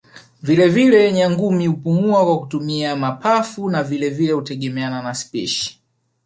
Vile vile Nyangumi hupumua kwa kutumia mapafu na vile vile hutegemeana na spishi